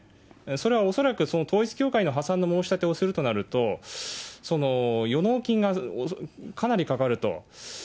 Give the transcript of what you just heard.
それは恐らく統一教会の破産の申し立てをするとなると、予納金がかなりかかると。